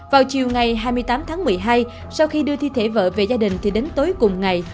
vào chiều ngày hai mươi tám tháng một mươi hai sau khi đưa thi thể vợ về gia đình thì đến tối cùng ngày